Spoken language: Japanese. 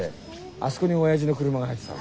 あそこに親父の車が入ってたの。